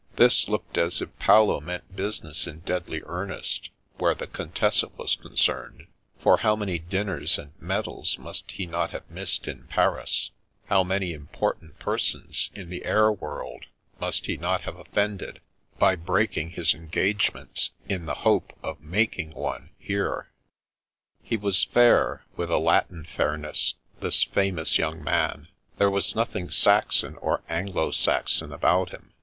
This looked as if Paolo meant business in deadly earnest, where the Contessa was concerned; for how many dinners and medals must he not have missed in Paris, how many important persons in the air world must he not have offended, by breaking his engagements in the hope of making one here ? He was fair, with a Latin fairness, this famous young man. There was nothing Saxon or Anglo Saxon about him.